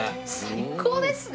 最高ですね。